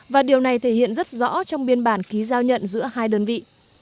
và điều này thể hiện rất rõ trong biên bản ký giao nhận giữa hai đơn vị